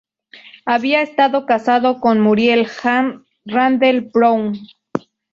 Había estado casado con Muriel Anne Randell-Brown.